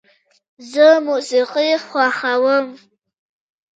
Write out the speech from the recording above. زه موسیقي خوښوم.